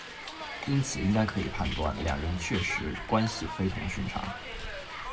因此应该可以判断两人确实关系非同寻常。